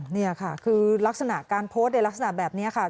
นี่ค่ะคือลักษณะการโพสต์ในลักษณะแบบนี้ค่ะ